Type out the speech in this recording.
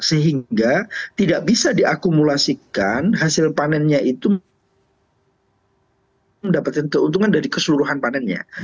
sehingga tidak bisa diakumulasikan hasil panennya itu mendapatkan keuntungan dari keseluruhan panennya